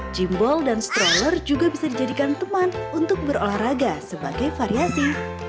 jimbol dan stroller juga bisa dijadikan teman untuk berolahraga sebagai variasi